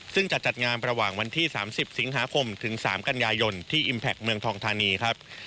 ซึ่งจะจัดงานระหว่างวันที่๓๐สิงหาคมถึง๓กันยายนที่อิมแพคเมืองทองธานีครับ